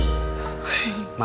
tuh dia juga